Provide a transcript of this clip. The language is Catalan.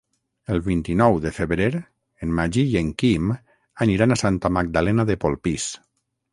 El vint-i-nou de febrer en Magí i en Quim aniran a Santa Magdalena de Polpís.